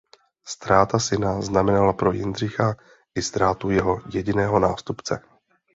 Ztráta syna znamenala pro Jindřicha i ztrátu jeho jediného nástupce.